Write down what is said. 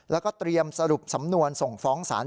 แล้วก็เตรียมสรุปสำนวนส่งฟ้องศาล